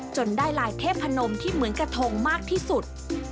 จนได้ลายเทพนมที่เหมือนกระทงมากที่สุด